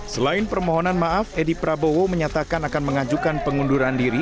selain permohonan maaf edi prabowo menyatakan akan mengajukan pengunduran diri